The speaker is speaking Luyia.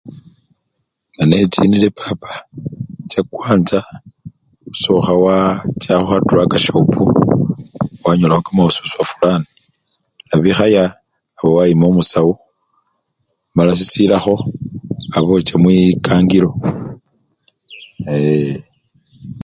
Nganechinile papa esokha wacha khukha draka syopu wanyolakho kamasuswa fulani nebikhaya ewe wayima omusawo mala sisilakho aba ocha mwikangilo ee!